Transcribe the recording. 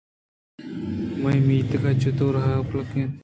مئے میتگ چتور ھاک ءُ پُلک اِنت